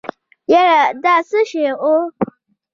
يره دا څه شی و.